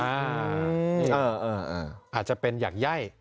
อาจจะเป็นอยากไย่